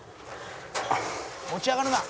「持ち上がるな！」